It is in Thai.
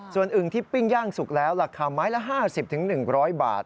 ส่วนอึ่งที่ปิ้งย่างสุกแล้วราคาไม้ละ๕๐๑๐๐บาท